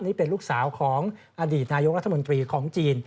นี่เป็นลูกสาวของอดีตนายกรัฐมนตรีของจีน